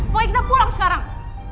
mau ikna pulang sekarang